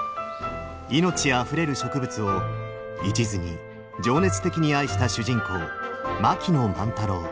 命あふれる植物をいちずに情熱的に愛した主人公槙野万太郎。